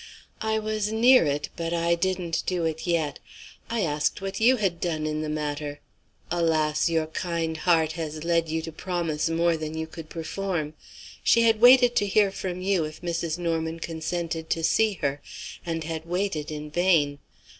"I was near it, but I didn't do it yet. I asked what you had done in the matter. Alas, your kind heart has led you to promise more than you could perform. She had waited to hear from you if Mrs. Norman consented to see her, and had waited in vain.